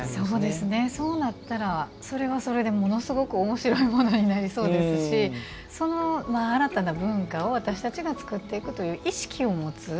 そうなったらそれはそれでものすごくおもしろいものになりそうですし新たな文化を私たちが作っていくという意識を持つ。